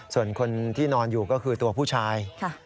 ส่วนคนที่นอนอยู่ก็คือตัวผู้ชาย